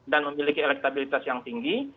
dan memiliki elektabilitas yang tinggi